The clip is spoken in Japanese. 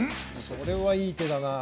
それはいい手だなあ